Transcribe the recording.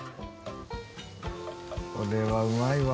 これはうまいわ。